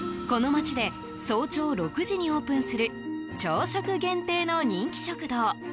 この町で早朝６時にオープンする朝食限定の人気食堂